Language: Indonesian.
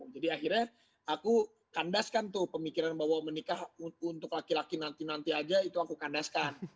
jadi akhirnya aku kandaskan tuh pemikiran bahwa menikah untuk laki laki nanti nanti aja itu aku kandaskan